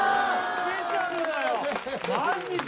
スペシャルだよマジで？